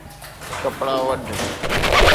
!ڪپڙا وڍ